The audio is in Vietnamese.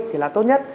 thì là tốt nhất